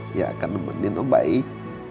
dia akan nemenin om baik